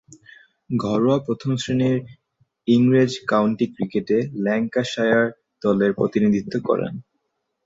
ঘরোয়া প্রথম-শ্রেণীর ইংরেজ কাউন্টি ক্রিকেটে ল্যাঙ্কাশায়ার দলের প্রতিনিধিত্ব করেন।